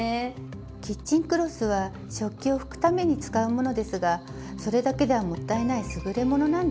キッチンクロスは食器を拭くために使うものですがそれだけではもったいないすぐれものなんですよ。